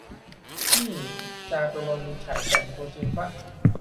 นี่ จาตุรนต์ ฉายแสง ตัวจริงป่ะ ?